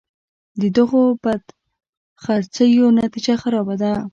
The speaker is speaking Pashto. د دغو بدخرڅیو نتیجه خرابه وه.